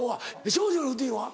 庄司のルーティンは？